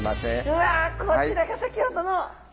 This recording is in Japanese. こちらが先ほどの。